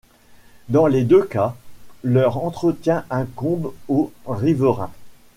Dans les deux cas leur entretien incombe aux riverains.